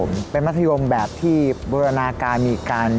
บ๊วยมาตั้งแต่อาวาส